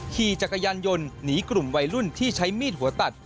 ขี่จักรยานยนต์หนีกลุ่มวัยรุ่นที่ใช้มีดหัวตัด